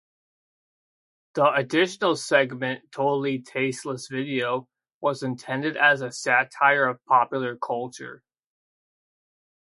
The additional segment, "Totally Tasteless Video", was intended as a satire of popular culture.